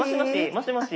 もしもし。